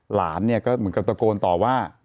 หลานเนี่ยก็เหมือนกับตะโกนต่อว่า